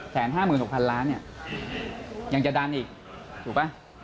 แผน๕๖๐๐๐ล้านอย่างจะดันอีกถูกปะ